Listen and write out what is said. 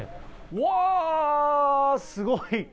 うわー、すごい！